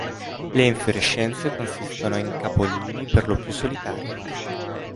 Le infiorescenze consistono in capolini per lo più solitari.